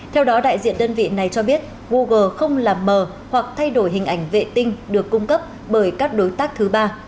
theo đó đại diện đơn vị này cho biết google không làm mờ hoặc thay đổi hình ảnh vệ tinh được cung cấp bởi các đối tác thứ ba